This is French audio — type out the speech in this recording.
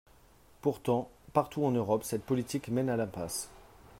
Pourtant, partout en Europe, cette politique mène à l’impasse.